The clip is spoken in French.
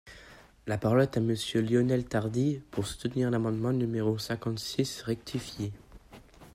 La parole est à Monsieur Lionel Tardy, pour soutenir l’amendement numéro cinquante-six rectifié.